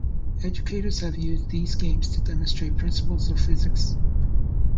Educators have used these games to demonstrate principles of physics.